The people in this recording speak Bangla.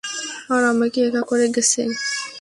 আর আমাকে একা করে গেছে।